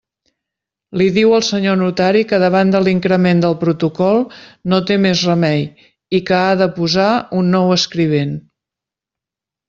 Li diu el senyor notari que davant de l'increment del protocol no té més remei i que ha de posar un nou escrivent.